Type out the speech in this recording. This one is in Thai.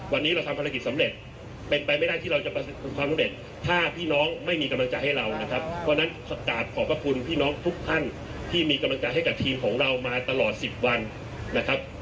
วันนี้เราทำภารกิจสำเร็จเป็นไปไม่ได้ที่เราจะประสบความสำเร็จถ้าพี่น้องไม่มีกำลังใจให้เรานะครับเพราะฉะนั้นกราบขอบพระคุณพี่น้องทุกท่านที่มีกำลังใจให้กับทีมของเรามาตลอด๑๐วันนะครับ